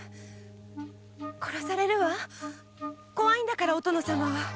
殺されるわ怖いんだからお殿様は。